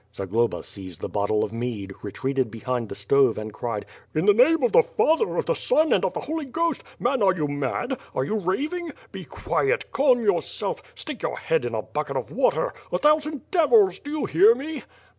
Zagloba seized the bottle of mead, retreated behind the stove, and cried: "In the name of the Father, of the Son, and of the Holy (jhost! Man are you mad? Are you raving? Be quiet! Calm yourself. Stick your head in a bucket of water. A thousand devils! — do you hear me?"